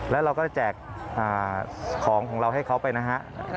แล้วเราก็จะแจกของของเราให้เขาไปนะฮะ